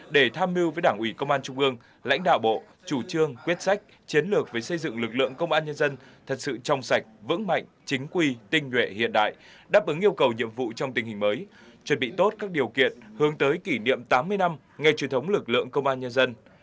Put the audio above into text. để tham mưu với đảng ủy công an trung ương lãnh đạo bộ chủ trương quyết sách chiến lược về xây dựng lực lượng công an nhân dân thật sự trong sạch vững mạnh chính quy tinh nhuệ hiện đại đáp ứng yêu cầu nhiệm vụ trong tình hình mới chuẩn bị tốt các điều kiện hướng tới kỷ niệm tám mươi năm ngày truyền thống lực lượng công an nhân dân